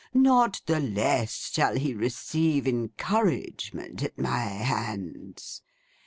Not the less shall he receive encouragement at my hands.